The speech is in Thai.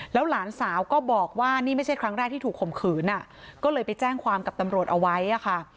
แล้วหลานสาวก็บอกว่านี่ไม่ใช่ครั้งแรกที่ถูกข่มขืนอ่ะก็เลยไปแจ้งความกับตำรวจเอาไว้อะค่ะ